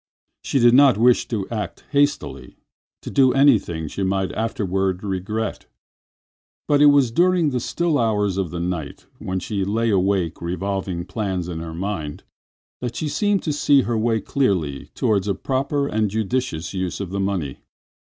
She did not wish to act hastily, to do anything she might afterward regret. But it was during the still hours of the night when she lay awake revolving plans in her mind that she seemed to see her way clearly toward a proper and judicious use of the money.